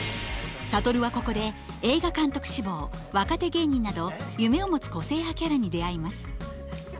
諭はここで映画監督志望若手芸人など夢を持つ個性派キャラに出会います。